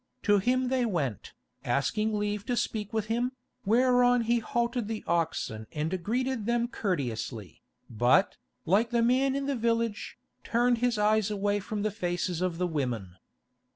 To him they went, asking leave to speak with him, whereon he halted the oxen and greeted them courteously, but, like the man in the village, turned his eyes away from the faces of the women.